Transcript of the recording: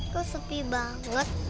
kok sepi banget